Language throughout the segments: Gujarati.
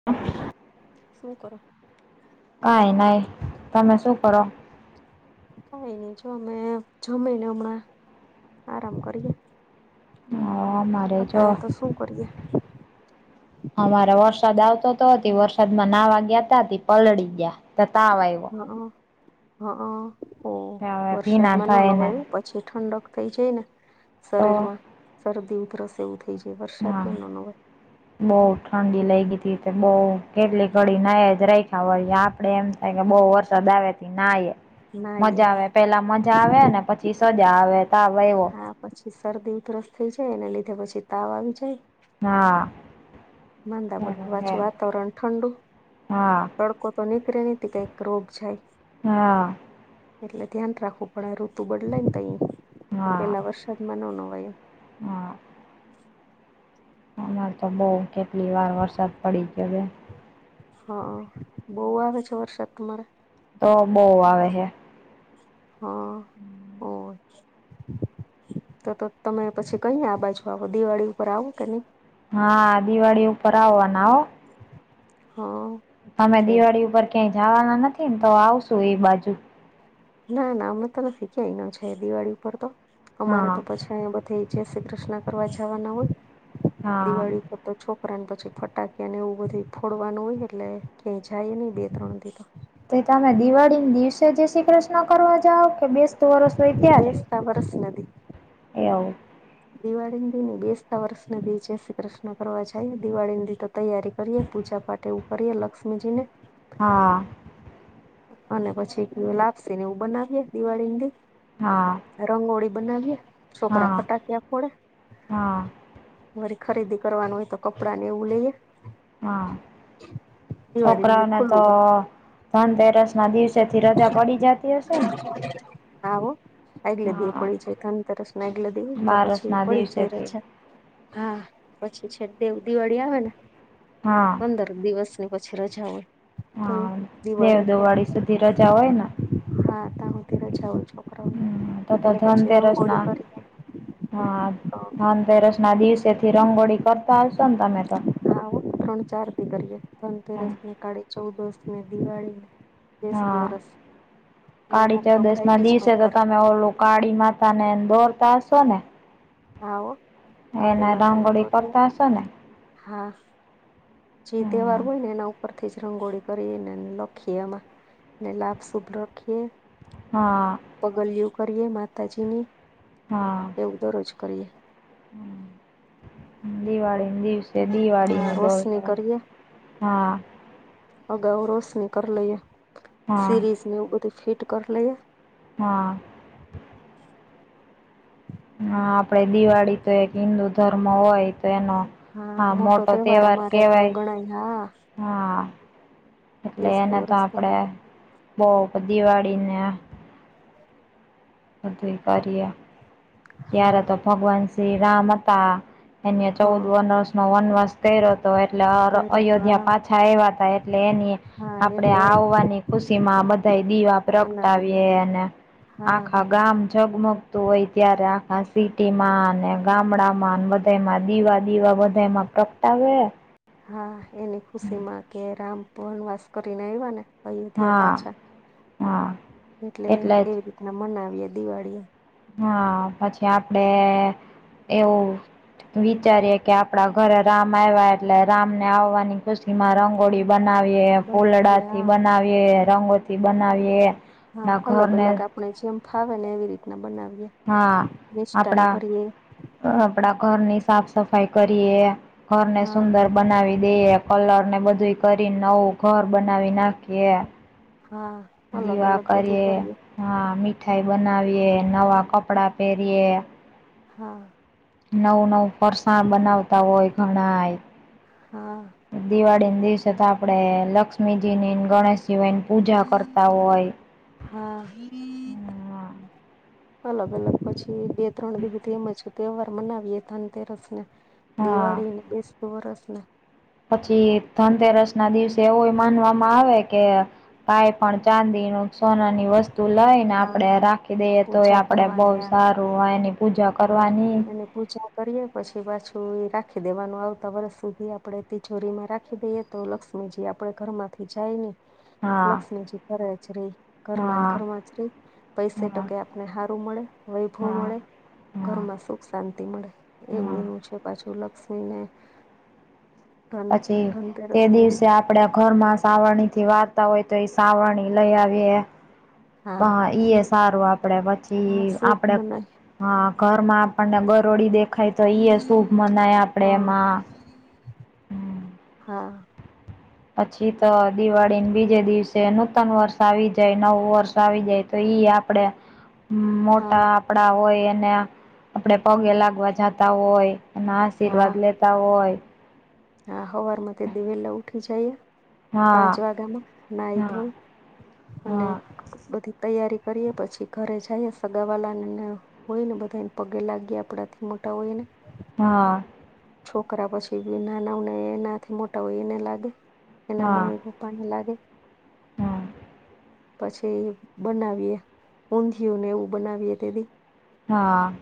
[inaudible] શું કરો? કાઈ નાય તમે શું કરો? કઈ ની જો અમે જમીને હમણાં આરામ કરીએ અ મારેજો અટાણે તો શું કરીએ અમારે વરસાદ આવતો તો હતી વરસાદમાં નાહવા ગયાતા તે પલળી ગયા તો તાવ આવ્યો હહ હહ હમ હવે ભીના વરસાદમાં નો થાયને નવાય હો. પછી ઠંડક થઈ જાય ને તો શરીરમાં શરદી ઉધરસ એવું થઈ હા વરસાદમાં નનો હોય બહુ ઠંડી લઈ ગઈ હતી તે બહુ કેટલી ઘડી ના જ રેખા હોય આપડે એમ કે બો વરસાદ આવેથી ના આયે નાઈએ મજા હા આવે પેલા મજા આવે ને પછી સજા આવે તા [unintelligible] આ પછી શરદી ઉધરસ થઈ જાય એને લીધે પછી તાવ આવી જાય હા. માંંદા [unintelligible] હા પાછું વાતાવરણ ઠંડુ હા તડકો તો નીકળે ની તે કઈક રોગ જાય હા. એટલે ધ્યાન રાખવું પડે ઋતુ બદલાય ને તય તો હા પેલા વરસાદમાં ન નવાય હા. હમાર તો બો કેટલી વાર વરસાદ પડી ગયો હવે હા બો આવે છે, વરસાદ તમારે તો બો આવે હે હ હો તો તો તમે પછી કઈ આ બાજુ આવો દિવાળી ઉપર આવો કે ની હા દિવાળી ઉપર આવાન આવો હા. અમે છે દિવાળી ઉપર ક્યાંય જવાના નથી ને તો આવશુ એ બાજુ ના નામનો તો નથી ક્યાંય ન છે દિવાળી ઉપર તો અમારે હા તો પછી બધ જશે કૃષ્ણ કરવા જવાના હોય હા દિવાળી ઉપર તો છોકરાને પછી ફટાકીને એવું બધું ફોડવાનું હોય એટલે ક્યાંય જાય નહ બે ત્રણથીી તો તે તમે દિવાળીને દિવસે જે શ્રી કૃષ્ણ કરવા જાવ કે બેસ્ત વરષ હોય ત્યારે ટવર્સ નદી એવ [unintelligible] દિવાળી દીની બેસતા વર્ષ દીજ શ્રી કૃષ્ણ કરવા જઈ દિવાળી દી તો તૈયારી કરીએ પૂજા પાઠ તેવું કરીએ લક્ષ્મીજી ને હા. અને પછી લાવશે ને એવું બનાવીએ દિવાળી ંદે હા રંગોળી બનાવીએ છોકરા હા ફટાક્યા ફોડે હા વળી ખરીદી કરવાનું હોય તો કપડા ને એવું લઈએ. હા દિવાડી ને દી છોકરાઓને તો ખુલ્લું હોય ધનતેરસ ના દિવસે થી રજા પડી જતી હશે ને. હા હો. આગલે દિ યે હા પડી જાય ધનતેરસ આગલે દિ હોય તે બારસ પછી ના પડી જાય દિવસેથી રજા. હા પછી છેક દેવ દિવાળી આવે ને હા પંદર દિવસ ની પછી રજા હોય તમે હા દેવ દિવાળી પર સુધી રજા હોય ને હા ત્યાં સુધી રજા હોય છોકરાઓને. હમ તો તો એટલે પછી રંગ ધનતેરસ ગોળી ના કરી હા ધનતેરસ ના દિવસેથી રંગોળી કરતા હશો ને તમે તો? હા હો ત્રણ ચાર દી કરીએ ધનતેરસ ને કાળી ચૌદશ ને દિવાળી ને બેસતું હા વરસ ને કાળી અમુક તો ચૌદશ ભાઈ ના બીજ દિવસે માંય તો કરે તમે ઓ લોકો કાળી માતા ને દોરતા હશો ને હા હો કાળી એના માતા નું રંગોળી દોરીએ પડતા હશો ને? હા જે તહેવાર હમ હોય ને એ નવ ઉપરથી જ રંગોળી કરી ને લખીએ એમાં ને લાભ શુભ રાખીએ. હા. પગલીયુ કરીએ માતાજી ની હા હ દિવાળીની દીવસે હા દિવાળીની દોલ રોશની કરીએ હા અગાઉ રોશની કરી લઈએ હા સિરીઝ ને એવું બધી ફિટ કરી લઈએ. હા હા આપડે દિવાળી તો એક હિન્દુ ધર્મ હોય તો એનો હા મોટો તહેવાર અમારે તો ગણાય હા હા એટલે બેસતું એને તો વરસ આપડે બવ દિવાળીને બધું કરીએ હા ત્યારે તો ભગવાન શ્રી રામ હતા. એને હા ચૌદ વનર્ષ નો વનર્ષ તેર તો એટલે કર્યો તો અયોધ્યા હા પાછા આયવા તો એટલે એની હા આપણેે એટલે આવવાની ખુશી માં બધાય દીવા મનાવીએ પ્રગટાવીએ ન હા [unintelligible] ગામ જગમગતું હોય ત્યારે આખા સિટીમાં અને ગામડામાં તેમાં દીવા દીવા બધામાં પ્રગટાવે હા એની ખુશી માં કે રામ વનવાસ કરીને આયવા ને અયોધ્યા હા પાછા હા એટલે એવી રીતના મનાવીય દિવાળીઓ હા પછી આપડે એવું વિચારીએે કે આપડા ઘરે રામ આવ્યા એટલે રામને આવવાની ખુશી માં રંગોળી બનાવીએ ફૂલડા બનાવીએ થી હા બનાવીએ રંગોથી બનાવીએ હા આપણા અલગ ઘરને અલગ આપણે જેમ ફાવે ને એવી રીતના બનાવીએ મિષ્ટાન આપડા કરીએ હા આપડા ઘરની સાફ સફાઈ કરીએ ઘરને હા સુંદર બનાવી દઈએ કલર ને બધું કરી નવું ઘર બનાવી નાખીએ હા અલગ અલગ બધી કરીએ હા મીઠાઈ બનાવીએ નવા કપડાં પહેરીયએ હા નવું નવું ફરસાણ બનાવતા હોય હા ઘણાય દિવાળીને દિવસે તો આપડે લક્ષ્મીજી ની ગણેશજી હોય એની પૂજા કરતા હોય હા હ અલગ અલગ પછી બે ત્રણ દી હુથી એમજ તહેવાર મનાવીયે ધનતેરસ ને હા દિવાળી ને બસતુ વર્ષને. પછી ધનતેરસ ના દિવસે એવું માનવામાં આવે કે. કઈ પણ ચાંદી નુ સોનાની વસ્તુ. લઈ ને હા આપડે રાખી દઈએ તો એ પૂજા આપડે બહુ કરવાની આ સારું હોય. પૂજા હા કરવાની એને. પૂજા કરીએ પછી પાછું એ રાખી દેવાનું આવતા વર્ષ સુધી આપણે તિજોરીમાં રાખી દઈએ. તો લક્ષ્મીજી આપણે ઘરમાંથી જાય ને. હા લક્ષ્મીજી ઘરેજ રે ઘરમાં ને હા ઘરમાં જ રે પૈસે હા ટકે આપને સારું મળે વૈભવ હા મળે. હા ઘરમાં સુખ શાંતિ મળે એવું હા એવુ છે પાછું લક્ષ્મીને. ધન પછી તે ધનતેરસ ને બી દિવસે આપડે. ઘરમાં સાવરણી થી વાર્તા હોય તો એ સાવરણી લઈ આવી હા ઈ. સારું આપડે પછી હા શુભ આપડે. મનાય હા ઘરમાં આપણને ગરોડી દેખાય તો ઈ શુભ મનાય આપડે હા એમાં. હા. પછી તો દિવાળી ને બીજે દિવસે નૂતન વર્ષ આવી જાય નવું વર્ષ આવી જાય તો ઈ આપડે. હમ્મ હા મોટા આપડા હોય એને આપણે પગે લાગવા જતા હોય. એના આશીર્વાદ લેતા હોય. હ હવારમાં તે દિવેલા ઉઠી જઈએ. પાંચ હા વાગ્યામાં નાહી હા થોયે અને હા બધી. તૈયારી કરીએ પછી ઘરે જઈએ સગા વાલા ને. હોય ને બધાને પગે લાગી આપણાથી મોટા હોય એ ને. હા. છોકરા પછી બી નાનાઓને એનાથી મોટા હોય એને લાગે એના હા મમ્મી પપ્પા. પા ને લાગે. હા પછી બનાવીએ ઊંધિયને એવું બનાવીએ તે દી હા.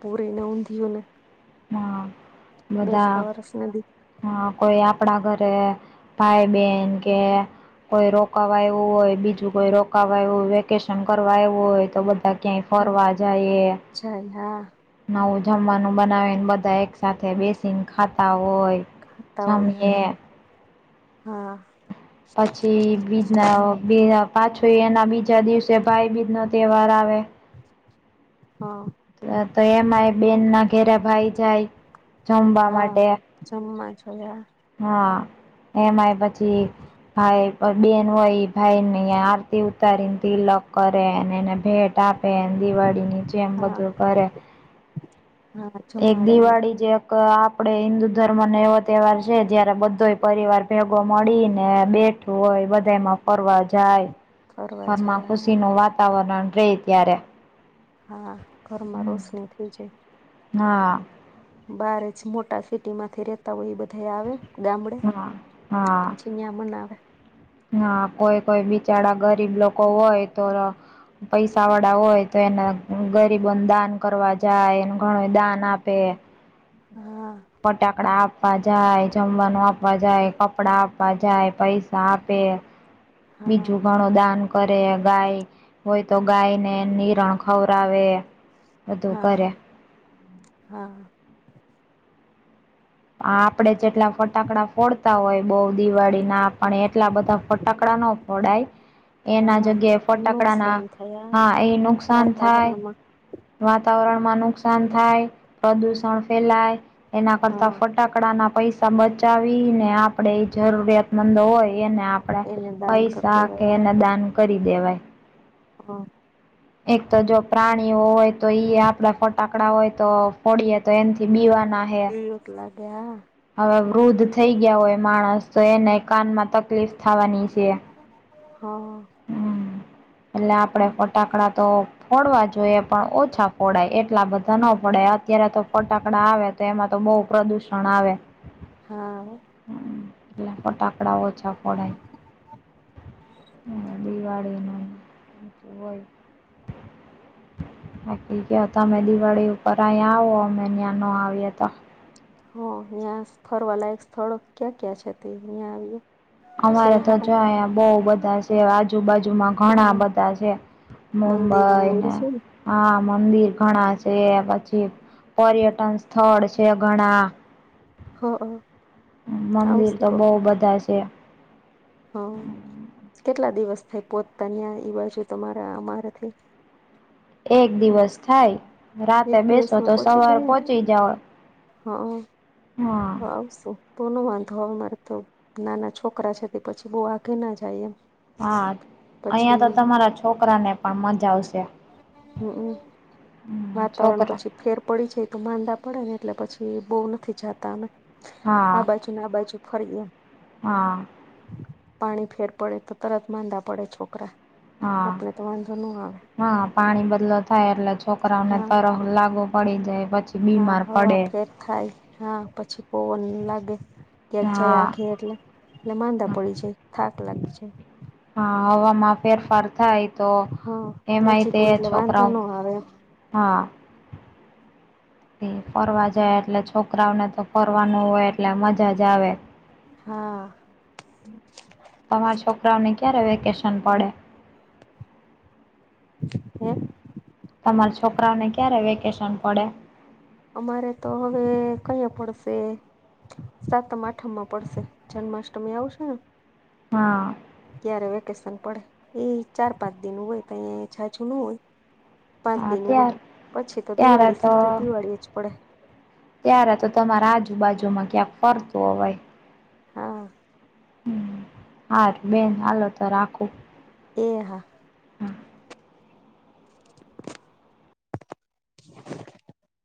પૂરી ને ઉધીયુ હા બધા વરસ નદી હા કોઈ આપડા ઘરે ભાઈ બહેન કે. કોઈ રોકવા આવવું હોય બીજું કોઈ રોકવા આવું હોય વેકેશન કરવા આવું હોય તો બધા. ક્યાં હા ફરવા જા એ. જાય હા નવું જમવાનું બનાવીને બધા એક સાથેથે બેસીને ખાતા હોય. ખાતા હો જમીએ હા. પછી બીજના. બ પાછો એના બીજા દિવસે ભાઈ બીજ નો તહેવાર આવે. હા. તો એમાં એ બેન ના ઘેરે ભાઈ જાય જમવા માટે. જમમા જ્યાં હા એમાંય પછી ભાઈ બેન હોય ભાઈ ને તે ઉતારી ને તિલક કરે અને એને ભેટ તાપે દિવાળી ની જેમ હા બધું કરે. હા એક જમાડેને દિવાળી જે એક આપડે હિન્દુ ધર્મને એવો તહેવાર જયારે બધો પરિવાર ભેગો મળી ને બેઠું હોય બધામાં ફરવા જાય. ફરવા ઘરમાં જયા ખુશી નું વાતાવરણ રે ત્યારે. હા ઘરમાં હમ રોશની થઈ જાય. હા. બાર જ મોટા સિટી માંથી રેતા હોય એ બધા આવે. ગામડે હા હા પછી મેમણ આવે હા કોઈ કોઈ બિચારા ગરીબ લોકો હોય તો પૈસા વાળા હોય તો એના ગરીબોને દાન કરવા જાય એને ઘણો દાન આપે હા. ફટાકડા આપવા જાય જમવાનું આપવા જાય કપડા આપવા જાય પૈસા આપે હા બીજું ઘણો દાન કરે ગાય હોય તો ગાયને નિરણ ખવરાવે બધું કરે હા-હા. આ આપડે જેટલા ફટાકડા ફોડતા હોય બહું દિવાળી ના પણ એટલા બધા ફટાકડા નો ફોડાય એના હા જગ્યા ફટાકડા ના નુકસાન થયા હા એ નુકસાન થાય વાતાવરણમાં વાતાવરણ માં નુકસાન થાય પ્રદુષણ ફેલાય એના કરતા હા ફટાકડા ના પૈસા બચાવી ને આપ આપણેે એ હા જરૂરિયાતમંદ હોય એને આપણેે એને દાન કરી પૈસા કે એને દેવાયા દાન કરી દેવાય. હા. એક તો જો પ્રાણીઓ હોય તો એઈ આપડા ફટાકડા હોય તો ફડીએ તો એથી બી વાના બીલત લાગે હા. હવે વૃદ્ધ થઈ ગયા હોય માણસ તો એને કાનમાં તકલીફ થવાની છે. હા. હમ એટલે આપડે ફટાકડા તો ફોડવા જોઈએ પણ ઓછા ફોડાય એટલા બધા નો પડાય અત્યારે તો ફટાકડા આવે તે એમાં તો બહુ પ્રદુષણ આવે હા હો. હમ્મ એટલે ફટાકડાઓ ઓછા ફોડાય દીવાડીમાં તો હોય બાકી ગયો તમે દિવાળી ઉપર અહીયા આવો અમે ત્યા નો આવી એ તો હ અહીંયા ફરવાલાયક સ્થળ ક્યાં ક્યાં છે તે અહીંયા આવી એ અમારે તો જો અહિયા બહુ બધા છે આજુબાજુમાં હારા ઘણા બધા છે. મંદિર ને એવું મુંબઈને છે ને હા મંદિર ઘણા છે પછી પર્યટન સ્થળ છે ઘણા હા હ મંદિર તો બહુ બધા છે. હા કેટલા દિવસ થાય પોચતા ન્યાં ઈ બાજુ તમારા અમારાથી એક દિવસ થાય રાતે એક બેસો તો સવાર પહોંચી જાઓ. હ અ હા આવશું. કોનો વાંધો હવે મારે તો નાના છોકરા છે તે પછી બહુ આગે ના જાય એમ. હા અહિયા તો પછી તમારા છોકરા ને પણ મજા આવશે. હમમ હમ વાતાવરણ છોકરા પછી ફેર પડી જાય તો માંદા પડે ને એટલે પછી બહુ નથી જાતા અમે આ હા બાજુ ના બાજુ ફરી એમ હા પાણી ફેર પડે તો તરત માંદા પડે છોકરા હા આપણે તો વાંધો નો આવે. હા પાણી બદલો થાય એટલે છોકરાઓને હા તરફ લાગુ પડી જાય પછી હા બીમાર હવે પડે પ્રે થાય હા પછી પોવન લાગે. ક્યાંક જાય હા આખી એટલે એટલે માંદા પડી જાય થાક લાગી છે. હા હવામાં ફેરફાર થાય તો હા એમાંય નજીક તે હોય એટલે વાંધો છોકરાઓ. ન આવે હા ફરવા જાય એટલે છોકરાઓને તો ફરવાનું હોય એટલે મજા જ આવે. હા. તમારા છોકરાઓને ક્યારે વેકેશન પડે. હે. તમારા છોકરાઓને ક્યારે વેકેશન પડે? અમારે તો હવે કઈ પડશે. સાતમ આઠમ માં પડશે જન્માષ્ટમી આવશે ને. હા. ક્યારે વેકેશન પડે એ ચાર-પાંચ દિનું હોય કઈ એ ઝાઝું ન હોય. પાંચ હા દિનું ત્યાર હોય પછી તો ત્યારે દિવાળી તો સીધું દિવાળી જ પડે. ત્યારે તો તમારા આજુબાજુમાં ક્યાંક ફરતું હોય. હા. હાર બેન હાલો તો રાખો. એ હા. [inaudible]